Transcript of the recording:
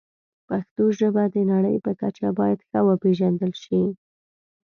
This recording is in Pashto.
پښتو ژبه د نړۍ په کچه باید ښه وپیژندل شي.